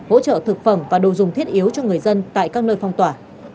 hỗ trợ thực phẩm và đồ dùng thiết yếu cho người dân tại các nơi phong tỏa